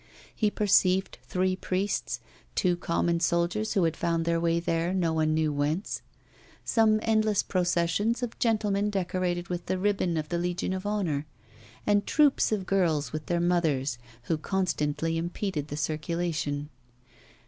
He perceived three priests, two common soldiers who had found their way there no one knew whence, some endless processions of gentlemen decorated with the ribbon of the Legion of Honour, and troops of girls and their mothers, who constantly impeded the circulation.